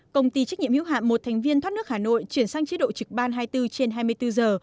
công ty trách nhiệm hữu hạm một thành viên thoát nước hà nội chuyển sang chế độ trực ban hai mươi bốn trên hai mươi bốn giờ